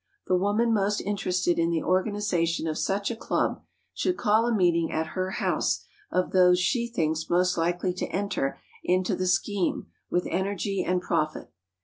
The woman most interested in the organization of such a club should call a meeting at her house of those she thinks most likely to enter into the scheme with energy and profit.